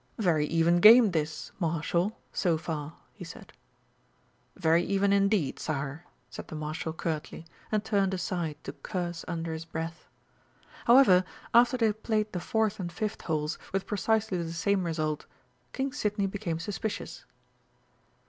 "Very even game this, Marshal, so far," he said. "Very even indeed, Sire!" said the Marshal curtly, and turned aside to curse under his breath. However, after they had played the fourth and fifth holes with precisely the same result, King Sidney became suspicious.